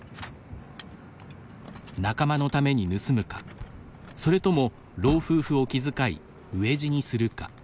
仲間のために盗むか、それとも老夫婦を気遣い飢え死にするか。